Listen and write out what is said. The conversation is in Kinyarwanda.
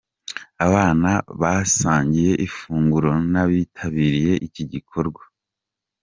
Abana basangiye ifunguro n'abitabiriye iki gikorwa.